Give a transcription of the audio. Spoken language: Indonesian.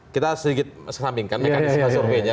kita sedikit sesampingkan mekanisme surveinya